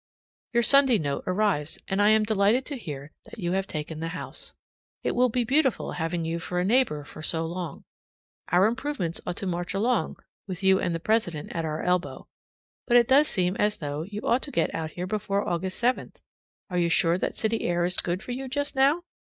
Your Sunday note arrives, and I am delighted to hear that you have taken the house. It will be beautiful having you for a neighbor for so long. Our improvements ought to march along, with you and the president at our elbow. But it does seem as though, you ought to get out here before August 7. Are you sure that city air is good for you just now?